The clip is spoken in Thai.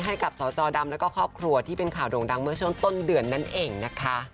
ให้กับสจดำแล้วก็ครอบครัวที่เป็นข่าวโด่งดังเมื่อช่วงต้นเดือนนั่นเองนะคะ